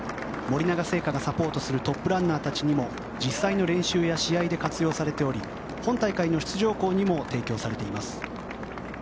森永製菓がサポートするトップランナーたちにも実際の練習や試合で活用されており本大会の出場校にも提供されています。